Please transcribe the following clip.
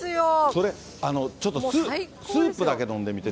それ、ちょっとスープだけ飲んでみて。